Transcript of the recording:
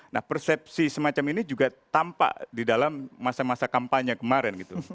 nah persepsi semacam ini juga tampak di dalam masa masa kampanye kemarin gitu